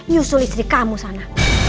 yusulis di kamus sana